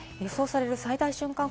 予想される最大瞬間